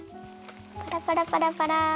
パラパラパラパラ。